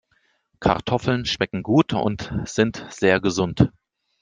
Kartoffeln schmecken gut und sind sehr gesund.